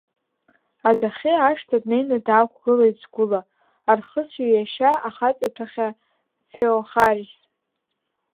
Адәахьы ашҭа днеины даақәгылеит сгәыла, Архысҩы иашьа, ахаҵатәахьа Феохарис.